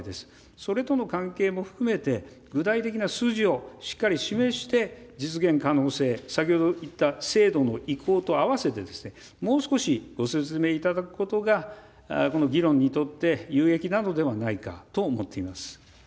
それとの関係も含めて、具体的な数字をしっかり示して、実現可能性、先ほど言った制度の移行とあわせてですね、もう少しご説明いただくことが、この議論にとって有益なのではないかと思っています。